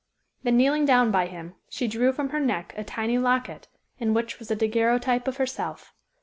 Then kneeling down by him, she drew from her neck a tiny locket, in which was a daguerreotype of herself.